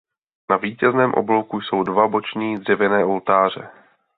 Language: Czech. Na vítězném oblouku jsou dva boční dřevěné oltáře.